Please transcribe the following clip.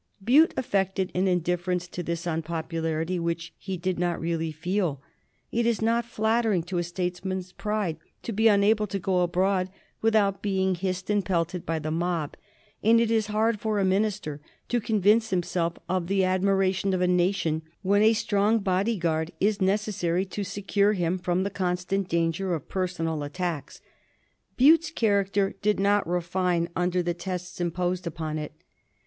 Bute affected an indifference to this unpopularity which he did not really feel. It is not flattering to a statesman's pride to be unable to go abroad without being hissed and pelted by the mob, and it is hard for a minister to convince himself of the admiration of a nation when a strong bodyguard is necessary to secure him from the constant danger of personal attacks. Bute's character did not refine under the tests imposed upon it.